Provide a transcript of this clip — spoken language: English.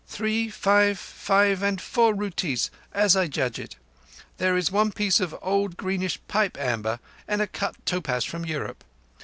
"Three—five—five—and four ruttees as I judge it. There is one piece of old greenish pipe amber, and a cut topaz from Europe.